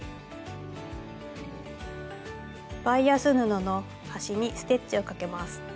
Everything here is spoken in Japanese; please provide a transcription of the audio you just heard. バイアス布の端にステッチをかけます。